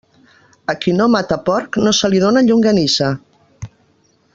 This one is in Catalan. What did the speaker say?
A qui no mata porc, no se li dóna llonganissa.